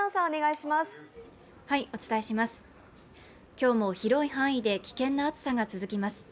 今日も広い範囲で危険な暑さが続きます。